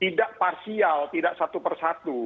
tidak parsial tidak satu persatu